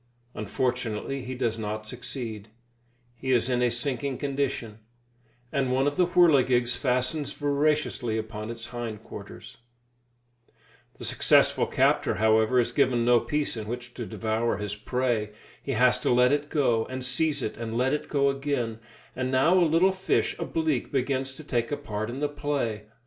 Unfortunately he does not succeed; he is in a sinking condition, and one of the whirligigs fastens voraciously upon his hind quarters. The successful captor, however, is given no peace in which to devour his prey. He has to let it go, and seize it, and let it go again; and now a little fish a bleak begins to take a part in the play.